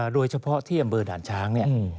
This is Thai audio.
โดยเฉพาะที่อำเภอด่านช้าง